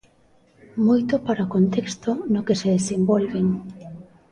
Moito para o contexto no que se desenvolven.